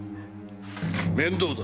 面倒だ。